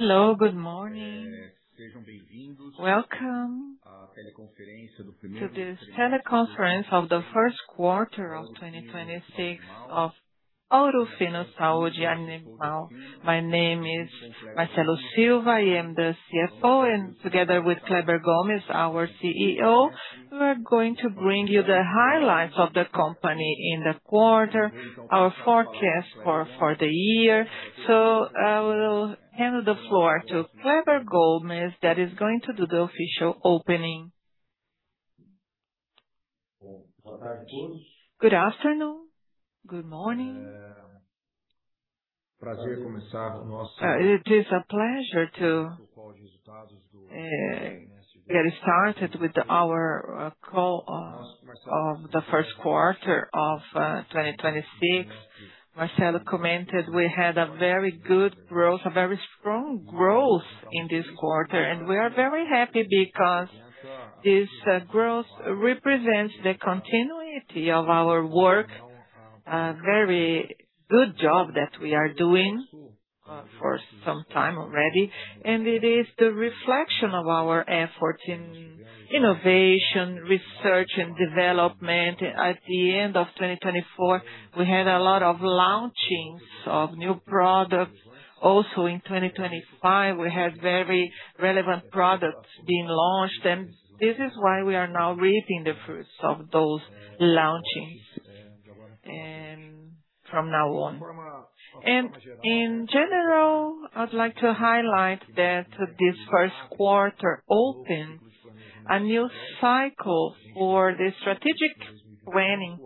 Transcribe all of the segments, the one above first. Hello, good morning. Welcome to this teleconference of the first quarter of 2026 of Ouro Fino Saúde Animal. My name is Marcelo Silva, I am the CFO, and together with Kleber Gomes, our CEO, we are going to bring you the highlights of the company in the quarter, our forecast for the year. I will hand the floor to Kleber Gomes, that is going to do the official opening. Good afternoon, good morning. It is a pleasure to get started with our call of the first quarter of 2026. Marcelo commented we had a very good growth, a very strong growth in this quarter, and we are very happy because this growth represents the continuity of our work, a very good job that we are doing for some time already. It is the reflection of our effort in innovation, research, and development. At the end of 2024, we had a lot of launchings of new products. Also in 2025, we had very relevant products being launched, this is why we are now reaping the fruits of those launchings, and from now on. In general, I'd like to highlight that this first quarter opened a new cycle for the strategic planning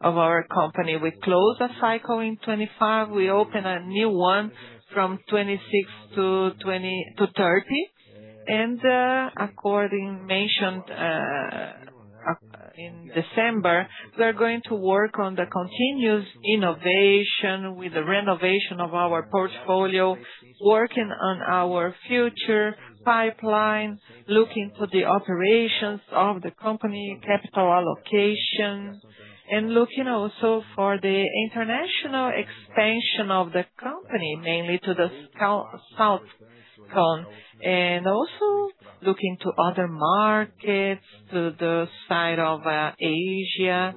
of our company. We closed a cycle in 2025. We open a new one from 2026 to 2030. As mentioned in December, we are going to work on the continuous innovation with the renovation of our portfolio, working on our future pipeline, looking to the operations of the company, capital allocation, and looking also for the international expansion of the company, mainly to the Southern Cone. Also looking to other markets, to the side of Asia,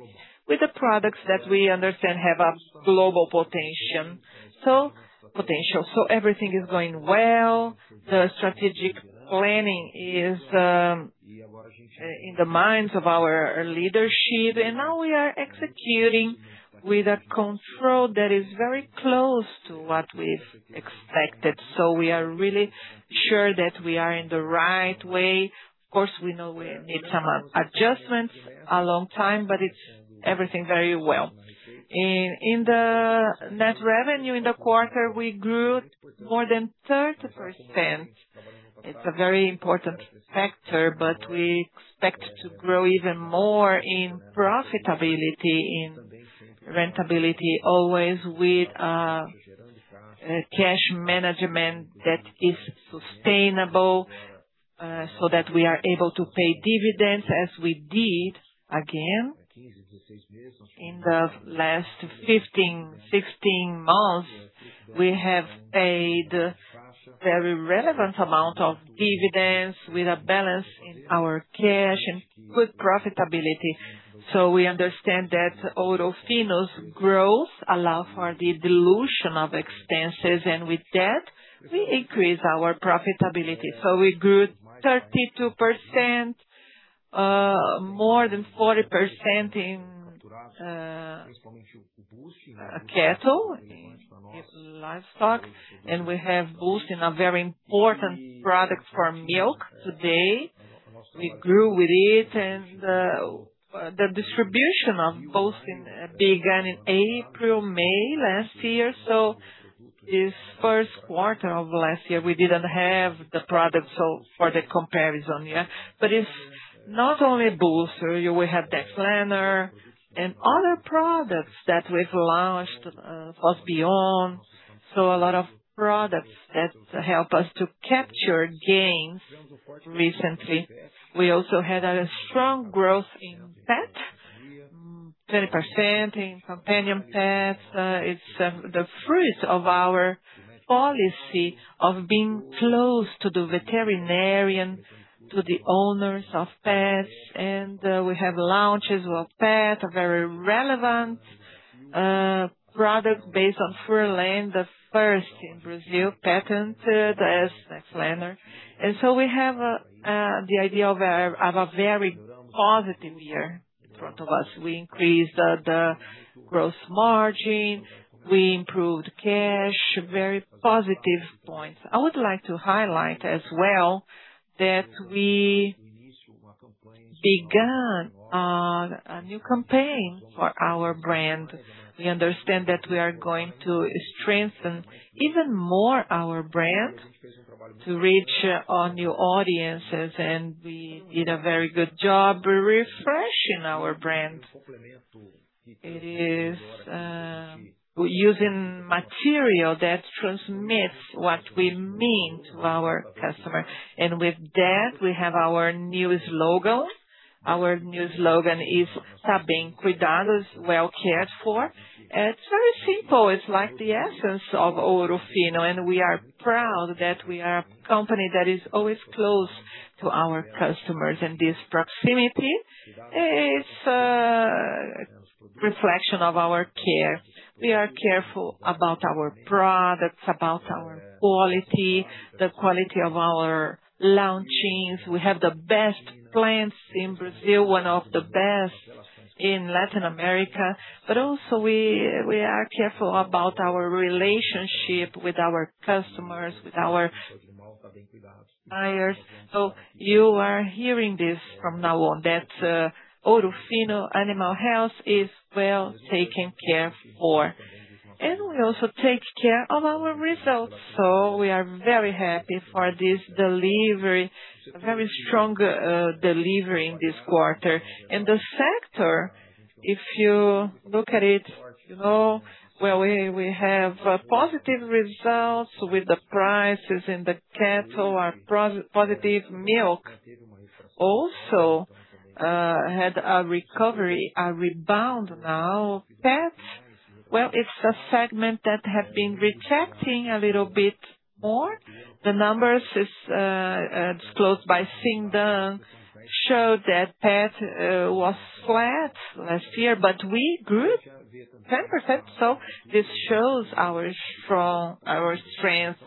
with the products that we understand have a global potential. Everything is going well. The strategic planning is in the minds of our leadership. Now we are executing with a control that is very close to what we've expected. We are really sure that we are in the right way. Of course, we know we need some adjustments a long time, but it's everything very well. In the net revenue in the quarter, we grew more than 30%. It's a very important factor, but we expect to grow even more in profitability, in rentability, always with cash management that is sustainable, so that we are able to pay dividends as we did again in the last 15, 16 months. We have paid very relevant amount of dividends with a balance in our cash and good profitability. We understand that Ouro Fino's growth allow for the dilution of expenses, and with that, we increase our profitability. We grew 32%, more than 40% in cattle, in livestock. We have Boostin a very important product for milk today. We grew with it and the distribution of Boostin began in April, May last year. This first quarter of last year, we didn't have the product for the comparison. It's not only Boostin, we have Nexlaner and other products that we've launched, FosBion B12. A lot of products that help us to capture gains. Recently, we also had a strong growth in pet, 20% in companion pets. It's the fruit of our policy of being close to the veterinarian, to the owners of pets. We have launches of pet, a very relevant product based on Fluralaner, the first in Brazil, patented as Nexlaner. We have the idea of a very positive year in front of us. We increased the gross margin. We improved cash, very positive points. I would like to highlight as well that we began on a new campaign for our brand. We understand that we are going to strengthen even more our brand to reach all new audiences. We did a very good job refreshing our brand. It is using material that transmits what we mean to our customer. With that, we have our newest logo. Our new slogan is "Tá bem cuidado", well cared for. It's very simple. It's like the essence of Ouro Fino. We are proud that we are a company that is always close to our customers, and this proximity is a reflection of our care. We are careful about our products, about our quality, the quality of our launchings. We have the best plants in Brazil, one of the best in Latin America. Also we are careful about our relationship with our customers, with our buyers. You are hearing this from now on, that Ourofino Animal Health is well taken care for. We also take care of our results. We are very happy for this delivery, a very strong delivery in this quarter. The sector, if you look at it, well, we have positive results with the prices and the cattle are positive. Milk also had a recovery, a rebound now. Pets, well, it's a segment that has been rejecting a little bit more. The numbers disclosed by Sindan show that pet was flat last year, but we grew 10%. This shows our strength.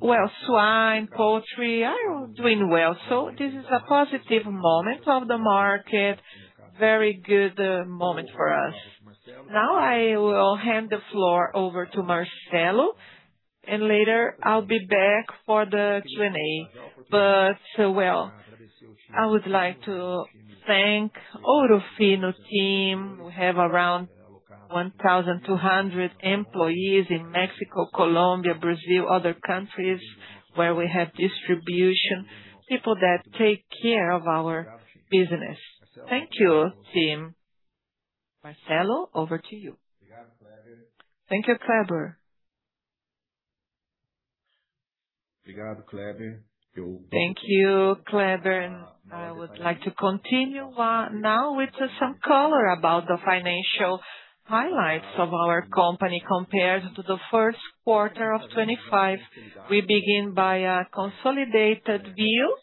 Well, swine, poultry are doing well. This is a positive moment of the market, very good moment for us. Now I will hand the floor over to Marcelo, and later I will be back for the Q&A. Well, I would like to thank Ouro Fino team. We have around 1,200 employees in Mexico, Colombia, Brazil, other countries where we have distribution. People that take care of our business. Thank you, team. Marcelo, over to you. Thank you, Cleber. I would like to continue now with some color about the financial highlights of our company compared to the first quarter of 2025. We begin by a consolidated view.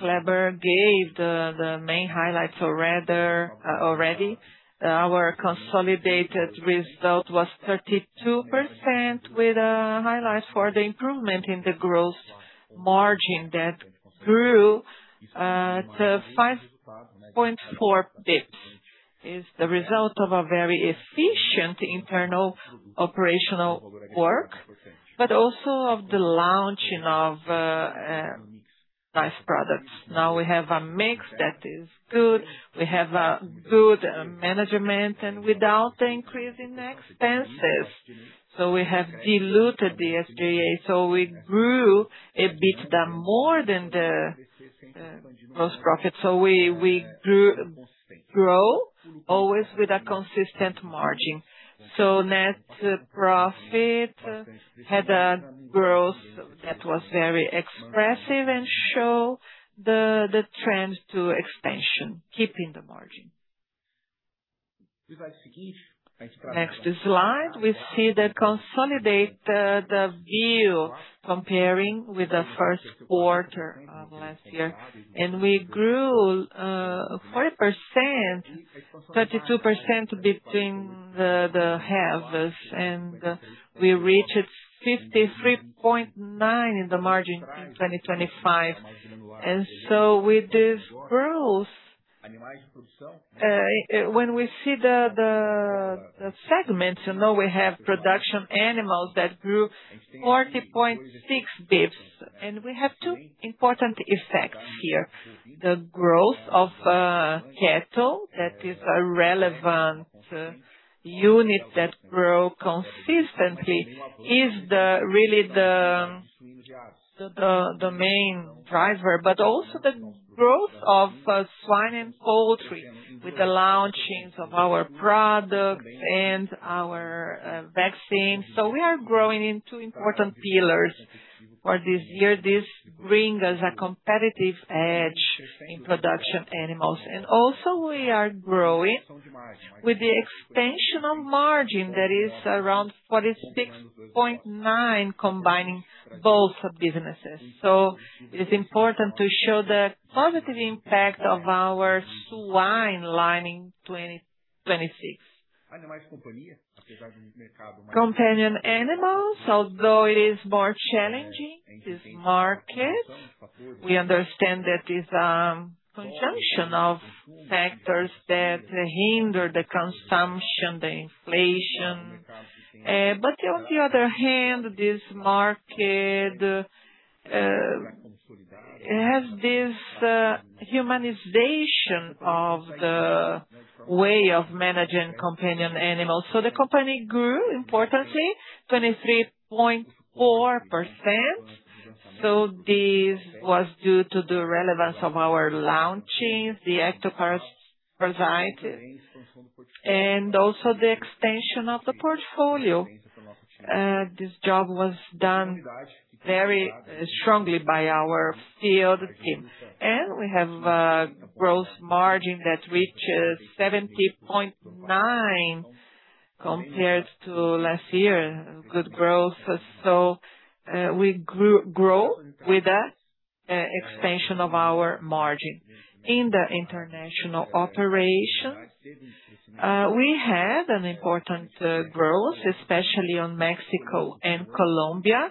Cleber gave the main highlights already. Our consolidated result was 32% with highlights for the improvement in the gross margin that grew to 5.4 bps. It's the result of a very efficient internal operational work, but also of the launching of nice products. Now we have a mix that is good. We have a good management without increasing the expenses. We have diluted the SG&A. We grew EBITDA more than the gross profit. We grow always with a consistent margin. Net profit had a growth that was very expressive and showed the trends to extension, keeping the margin. Next slide, we see the consolidated view comparing with the first quarter of last year. We grew 40%, 32% between the halves, and we reached 53.9% in the margin in 2025. With this growth, when we see the segments, we have production animals that grew 40.6 bps. We have two important effects here. The growth of cattle, that is a relevant unit that grows consistently is really the main driver, but also the growth of swine and poultry with the launchings of our products and our vaccines. We are growing in two important pillars for this year. This brings us a competitive edge in production animals. Also, we are growing with the extension of margin that is around 46.9% combining both businesses. It is important to show the positive impact of our swine line in 2026. Companion animals, although it is more challenging, this market, we understand that it's a conjunction of factors that hinder the consumption, the inflation. On the other hand, this market has this humanization of the way of managing companion animals. The company grew importantly 23.4%. This was due to the relevance of our launchings, the ectoparasiticides, and also the extension of the portfolio. This job was done very strongly by our field team. We have a growth margin that reaches 70.9% compared to last year. Good growth. We grow with that extension of our margin. In the international operation, we had an important growth, especially on Mexico and Colombia.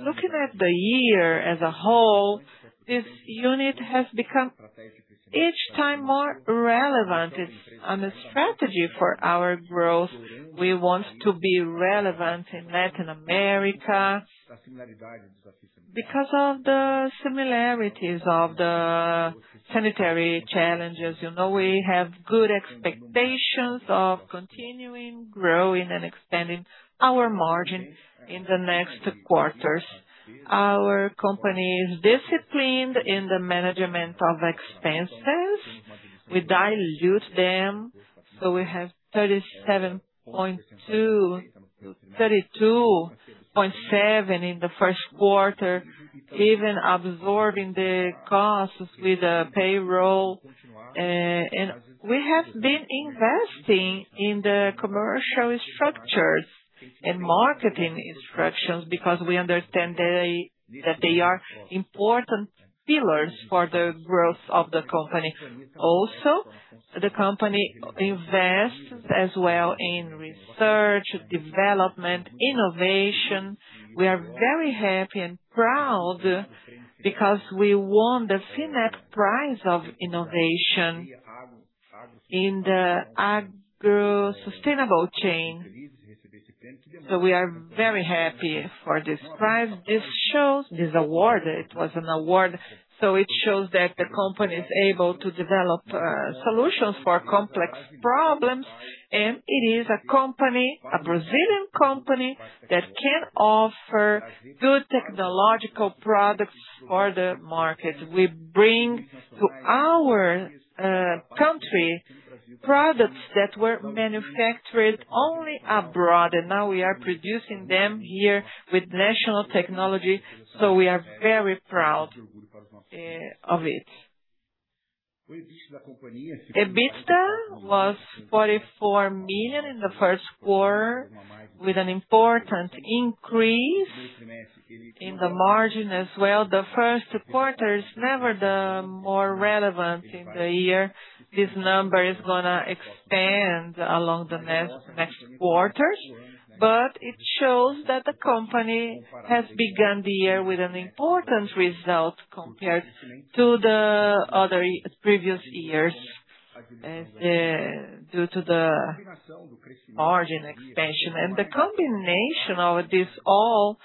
Looking at the year as a whole, this unit has become each time more relevant. It's on a strategy for our growth. We want to be relevant in Latin America. Because of the similarities of the sanitary challenges, we have good expectations of continuing growing and expanding our margin in the next quarters. Our company is disciplined in the management of expenses. We dilute them, we have 32.7% in the first quarter, even absorbing the costs with the payroll. We have been investing in the commercial structures and marketing structures because we understand that they are important pillars for the growth of the company. Also, the company invests as well in research, development, and innovation. We are very happy and proud because we won the FINEP prize of innovation in the agro-sustainable chain. We are very happy for this prize. This award shows that the company is able to develop solutions for complex problems, and it is a Brazilian company that can offer good technological products for the market. We bring to our country products that were manufactured only abroad, and now we are producing them here with national technology. We are very proud of it. EBITDA was 44 million in the first quarter, with an important increase in the margin as well. The first quarter is never the most relevant in the year. This number is going to expand along the next quarters, it shows that the company has begun the year with an important result compared to the other previous years due to the margin expansion. The combination of this all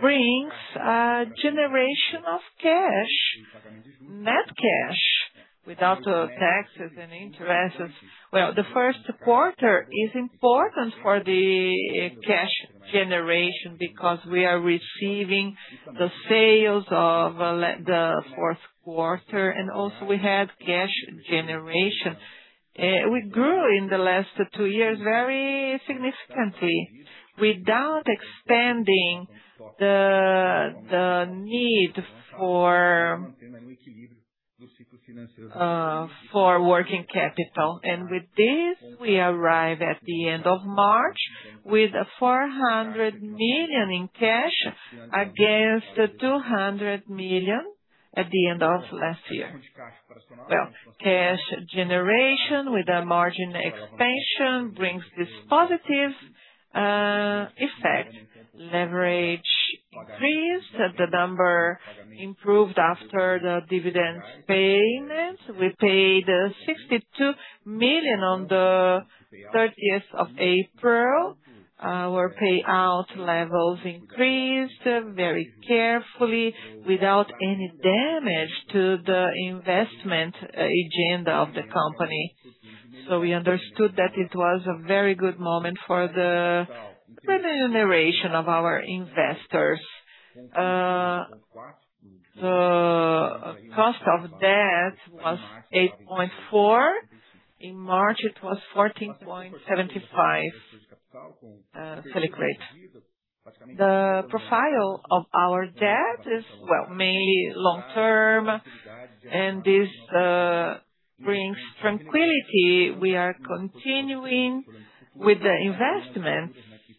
brings a generation of net cash without taxes and interest. Well, the first quarter is important for the cash generation because we are receiving the sales of the fourth quarter, and also we had cash generation. We grew in the last two years very significantly without expanding the need for working capital. With this, we arrive at the end of March with 400 million in cash against 200 million at the end of last year. Well, cash generation with a margin expansion brings this positive effect. Leverage increased. The number improved after the dividend payment. We paid 62 million on April 30. Our payout levels increased very carefully without any damage to the investment agenda of the company. We understood that it was a very good moment for the remuneration of our investors. The cost of debt was 8.4%. In March, it was 14.75%. It's really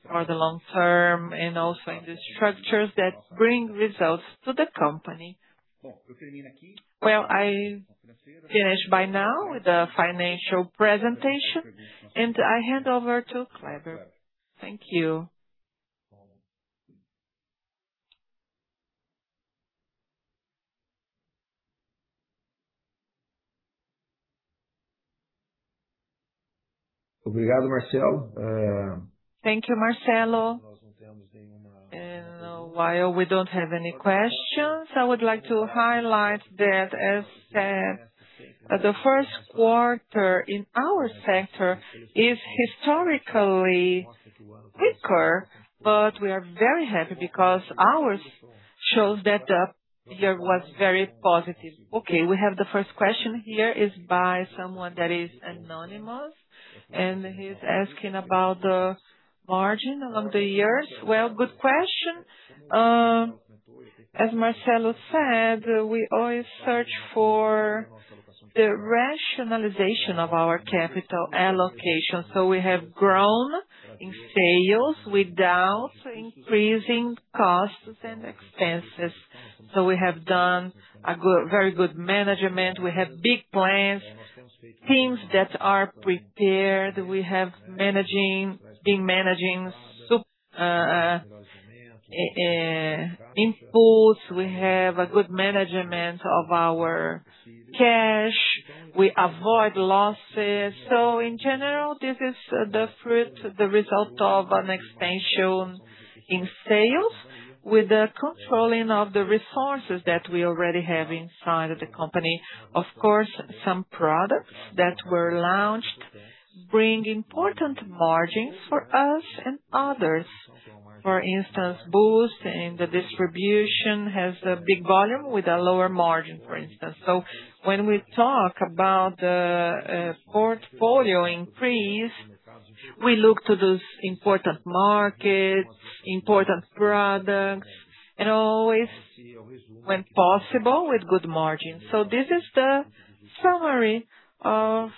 great. I finish by now with the financial presentation, I hand over to Kleber. Thank you. Thank you, Marcelo. I would like to highlight that as the first quarter in our sector is historically weaker, we are very happy because ours shows that the year was very positive. We have the first question here is by someone that is anonymous, he's asking about the margin along the years. Good question. As Marcelo said, we always search for the rationalization of our capital allocation. We have grown in sales without increasing costs and expenses. We have done a very good management. We have big plans, teams that are prepared. We have been managing super inputs. We have a good management of our cash. We avoid losses. In general, this is the fruit, the result of an expansion in sales with the controlling of the resources that we already have inside the company. Some products that were launched bring important margins for us and others. For instance, Boostin and the distribution has a big volume with a lower margin, for instance. When we talk about the portfolio increase, we look to those important markets, important products, and always, when possible, with good margins. This is the summary of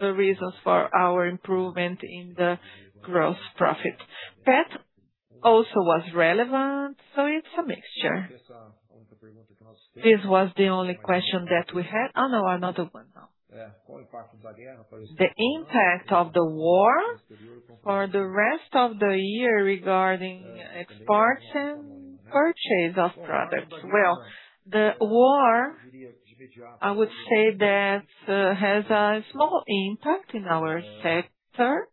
the reasons for our improvement in the gross profit. That also was relevant, it's a mixture. This was the only question that we had. Another one now. The impact of the war for the rest of the year regarding export and purchase of products. The war, I would say that has a small impact in our sector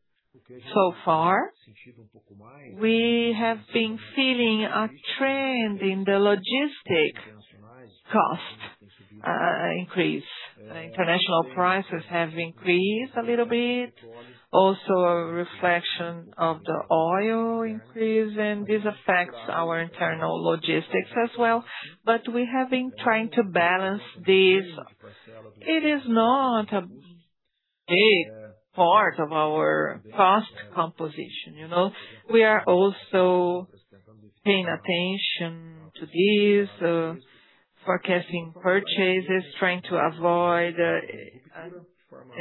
so far. We have been feeling a trend in the logistic cost increase. International prices have increased a little bit. A reflection of the oil increase, this affects our internal logistics as well. We have been trying to balance this. It is not a big part of our cost composition. We are also paying attention to this, forecasting purchases, trying to avoid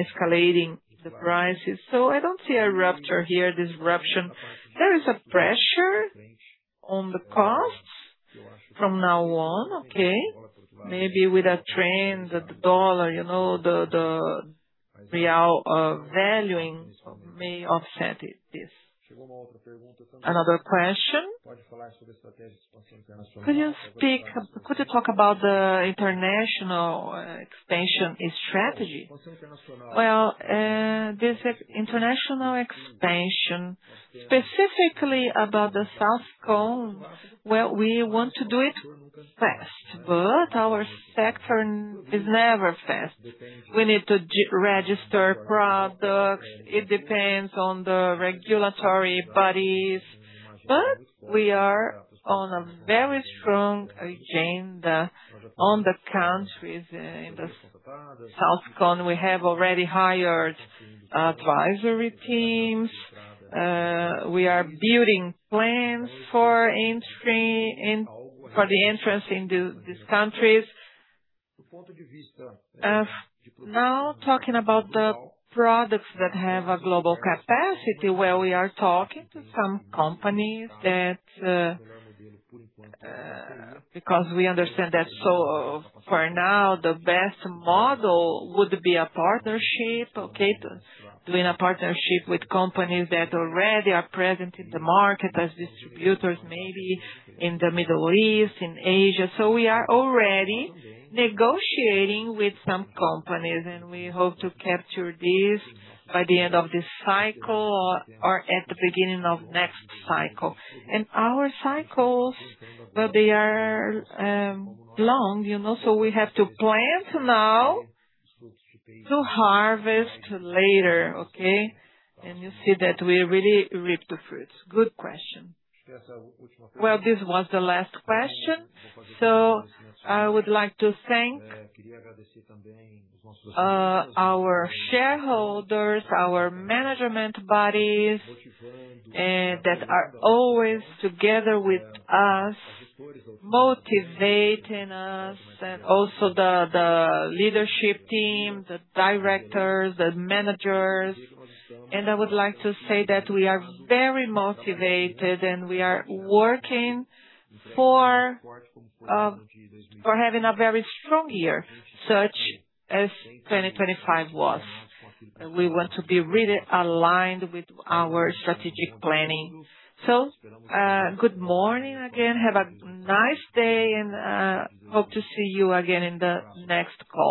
escalating the prices. I don't see a rupture here, disruption. There is a pressure on the costs from now on. Maybe with a trend that the dollar, the real valuing may offset this. Another question. Could you talk about the international expansion strategy? This international expansion, specifically about the Southern Cone, we want to do it fast, our sector is never fast. We need to register products. It depends on the regulatory bodies. We are on a very strong agenda on the countries in the Southern Cone. We have already hired advisory teams. We are building plans for the entrance in these countries. Talking about the products that have a global capacity, we are talking to some companies. We understand that for now, the best model would be a partnership. Doing a partnership with companies that already are present in the market as distributors, maybe in the Middle East, in Asia. We are already negotiating with some companies, we hope to capture this by the end of this cycle or at the beginning of next cycle. Our cycles, well, they are long. We have to plant now to harvest later, okay? You see that we really reap the fruits. Good question. Well, this was the last question. I would like to thank our shareholders, our management bodies that are always together with us, motivating us, and also the leadership team, the directors, the managers. I would like to say that we are very motivated and we are working for having a very strong year, such as 2025 was. We want to be really aligned with our strategic planning. Good morning again. Have a nice day, and hope to see you again in the next call.